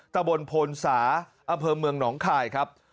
ตะบนโพนสาอำเภอเมืองหนองคายครับ